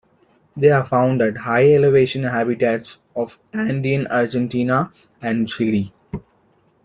They are found at high elevation habitats of Andean Argentina and Chile.